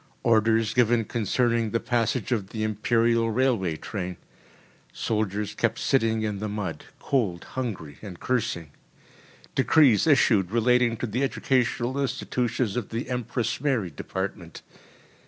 Orders given concerning the passage of the Imperial railway train. Soldiers kept sitting in the mud cold, hungry, and cursing. Decrees issued relating to the educational institutions of the Empress Mary Department.